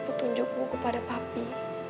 petunjukmu kepada papi